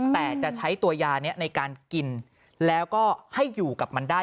แต่จะใช้ตัวยานี้ในการกินแล้วก็ให้อยู่กับมันได้